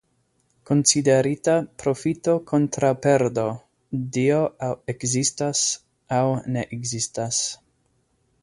Konsiderita profito kontraŭ perdo... Dio aŭ ekzistas aŭ ne ekzistas.